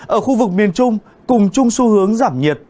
ở khu vực miền trung cùng chung xu hướng giảm nhiệt